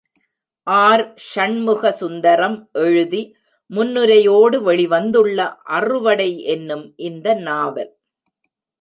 ஆர்.ஷண்முகசுந்தரம் எழுதி முன்னுரை யோடு வெளி வந்துள்ள அறுவடை என்னும் இந்த நாவல்.